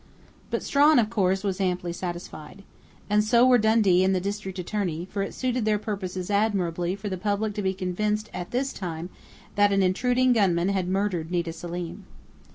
But Strawn, of course, was amply satisfied. And so were Dundee and the district attorney, for it suited their purposes admirably for the public to be convinced at this time that an intruding gunman had murdered Nita Selim.